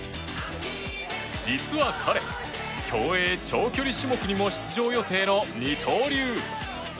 実は彼、競泳長距離種目にも出場予定の二刀流。